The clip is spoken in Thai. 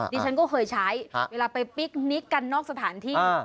ดิฉันก็เคยใช้เวลาไปปิ๊กนิกกันนอกสถานที่